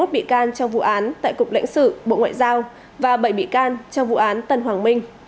hai mươi bị can trong vụ án tại cục lãnh sự bộ ngoại giao và bảy bị can trong vụ án tân hoàng minh